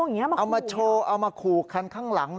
เอามาโชว์เอามาขู่คันข้างหลัง